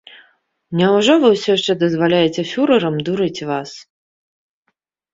Няўжо вы ўсё яшчэ дазваляеце фюрэрам дурыць вас?